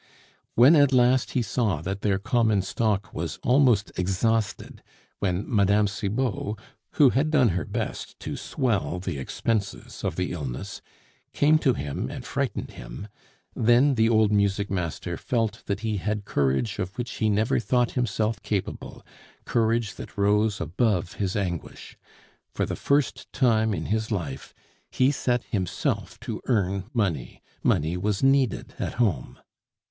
When at last he saw that their common stock was almost exhausted, when Mme. Cibot (who had done her best to swell the expenses of the illness) came to him and frightened him; then the old music master felt that he had courage of which he never thought himself capable courage that rose above his anguish. For the first time in his life he set himself to earn money; money was needed at home.